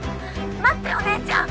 待ってお姉ちゃん！